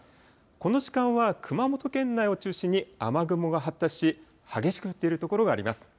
この時間は熊本県内を中心に雨雲が発達し激しく降っている所があります。